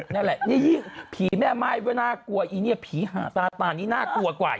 นั่นแหละพีชแม่ไม้น่ากลัวพีชตาตานนี่น่ากลัวกว่าอีก